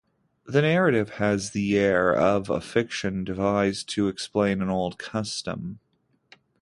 The narrative has the air of a fiction devised to explain an old custom.